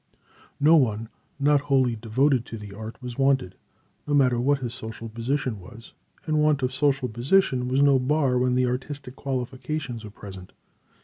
No one not wholly devoted to the art was wanted, no matter what his social position was, and want of social position was no bar when the artistic qualifications were present.